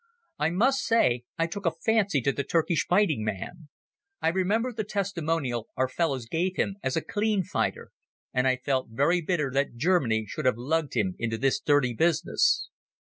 I must say I took a fancy to the Turkish fighting man: I remembered the testimonial our fellows gave him as a clean fighter, and I felt very bitter that Germany should have lugged him into this dirty business.